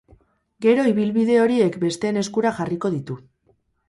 Gero ibilbide horiek besteen eskura jarriko ditu.